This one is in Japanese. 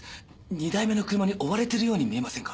２台目の車に追われているように見えませんか？